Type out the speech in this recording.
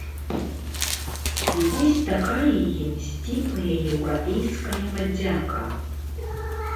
І вось такая ім сціплая еўрапейская падзяка.